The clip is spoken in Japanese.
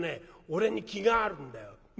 俺に気があるんだよ。